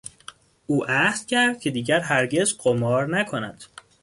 او عهد کرد که دیگر هرگز قمار نکند.